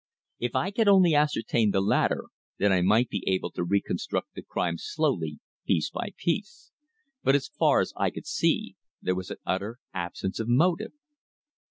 If I could only ascertain the latter, then I might be able to reconstruct the crime slowly, piece by piece. But as far as I could see there was an utter absence of motive.